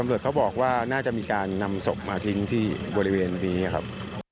เขาบอกว่าน่าจะมีการนำศพมาทิ้งที่บริเวณนี้ครับ